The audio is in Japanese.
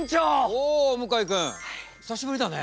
おお向井君久しぶりだね。